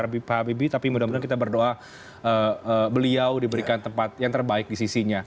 habib pak habibie tapi mudah mudahan kita berdoa beliau diberikan tempat yang terbaik di sisinya